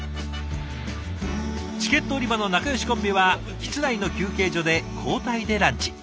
チケット売り場の仲よしコンビは室内の休憩所で交代でランチ。